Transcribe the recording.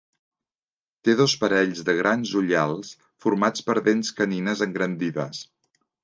Té dos parells de grans ullals formats per dents canines engrandides.